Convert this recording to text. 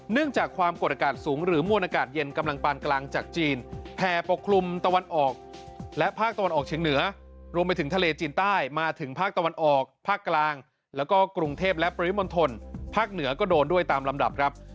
จากความกดอากาศสูงหรือมวลอากาศเย็นกำลังปานกลางจากจีนแผ่ปกคลุมตะวันออกและภาคตะวันออกเชียงเหนือรวมไปถึงทะเลจีนใต้มาถึงภาคตะวันออกภาคกลางแล้วก็กรุงเทพและปริมณฑลภาคเหนือก็โดนด้วยตามลำดับครับ